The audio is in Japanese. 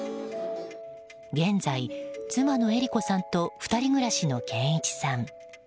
現在、妻のえり子さんと２人暮らしの謙一さん。